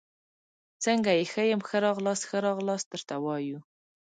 څنګه يي ، ښه يم، ښه راغلاست ، ښه راغلاست درته وایو